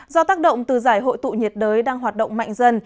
do tác động từ giải hội tụ nhiệt đới đang hoạt động mạnh dần